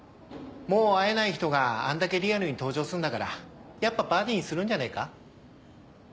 もう会えない人があんだけリアルに登場すんだからやっぱバディにするんじゃねえか？